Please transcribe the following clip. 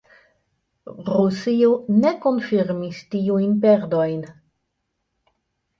Rusio ne konfirmis tiujn perdojn.